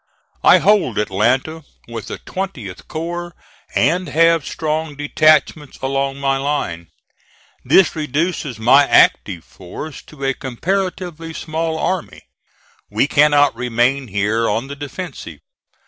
I hold Atlanta with the 20th corps, and have strong detachments along my line. This reduces my active force to a comparatively small army. We cannot remain here on the defensive.